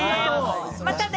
またね！